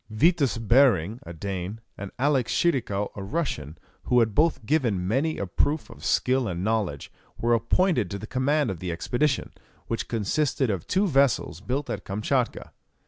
Vitus Behring, a Dane, and Alexis Tschirikow, a Russian, who had both given many a proof of skill and knowledge, were appointed to the command of the expedition, which consisted of two vessels built at Kamtchatka.